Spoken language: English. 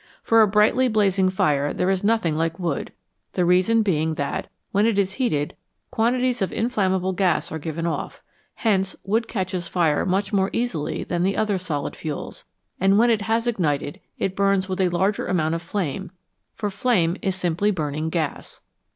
For a brightly blazing fire there is nothing like wood, the reason being that, when it is heated, quantities of inflammable gas are given off; hence wood catches fire much more easily than the other solid fuels, and when it has ignited it burns with a larger amount of flame, for flame is simply burning gas.